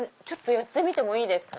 やってみてもいいですか？